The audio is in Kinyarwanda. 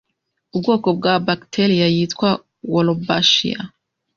Ubwoko bwa 'bacteria' yitwa Wolbachia